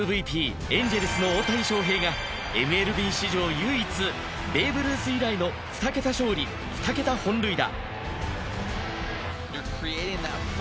エンゼルスの大谷翔平がＭＬＢ史上唯一、ベーブ・ルース以来の２桁勝利２桁本塁打。